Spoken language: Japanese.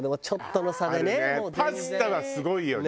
パスタはすごいよね。